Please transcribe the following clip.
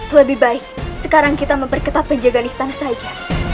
lebih baik sekarang kita memperketat penjagaan istana saja